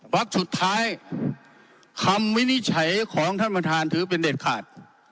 สุดท้ายคำวินิจฉัยของท่านประธานถือเป็นเด็ดขาด